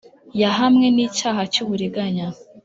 yahamwe n icyaha cy uburiganya